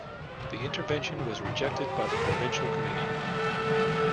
The intervention was rejected by the Provincial Committee.